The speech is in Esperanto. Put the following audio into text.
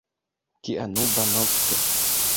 Kia nuba nokto!